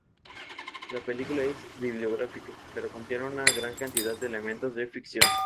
La película es biográfica, pero contiene una gran cantidad de elementos de ficción.